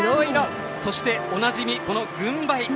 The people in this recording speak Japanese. そして、おなじみ軍配。